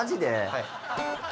はい。